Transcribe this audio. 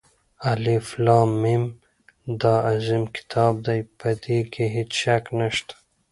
الف لام ، میم دا عظیم كتاب دى، په ده كې هېڅ شك نشته.